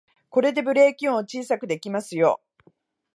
これでブレーキ音を小さくできますよ